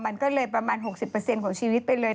มันก็เลยประมาณ๖๐ของชีวิตไปเลย